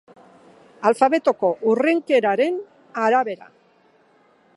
Alfabetoko hurrenkeraren arabera.